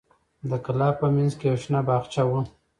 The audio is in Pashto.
د کلا په منځ کې یو شین باغچه وه.